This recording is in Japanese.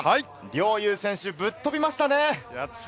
荻原さん、陵侑選手、ぶっ飛びましたね！